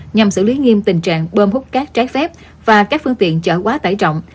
nhằm xử lý nghiêm tình trạng bơm hút cát trái phép và các phương tiện chở quá tải trọng